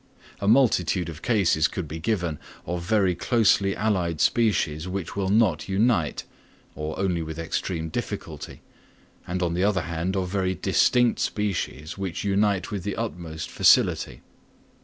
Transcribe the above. A multitude of cases could be given of very closely allied species which will not unite, or only with extreme difficulty; and on the other hand of very distinct species which unite with the utmost facility.